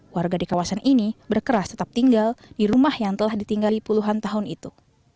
warga di kawasan ini berkeras tetap tinggal di rumah yang telah ditinggali puluhan tahun itu